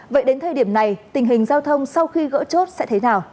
vậy đến thời điểm này tình hình giao thông sau khi gỡ chốt sẽ thế nào